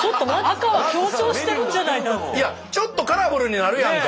赤はちょっとカラフルになるやんか。